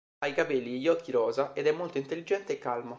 Ha i capelli e gli occhi rosa ed è molto intelligente e calma.